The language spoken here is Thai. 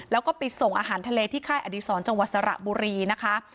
แล้วก็ไปส่งอาหารทะเลที่ค่ายอดีศรจังหวัดสระบุรีนะคะ